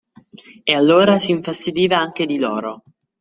E, allora, s'infastidiva anche di loro.